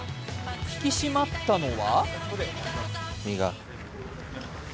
引き締まったのは？